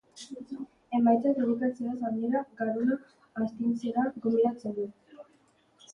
Emaitzak, elikatzeaz gainera, garuna astintzera gonbidatzen du.